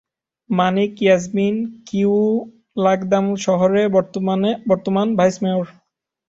মনিক ইয়াজমিন কিউ লাগদামেও শহরের বর্তমান ভাইস মেয়র।